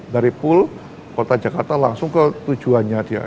dari pool kota jakarta langsung ke tujuannya dia